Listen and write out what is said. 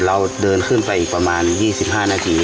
เราเดินขึ้นไปอีกประมาณ๒๕นาที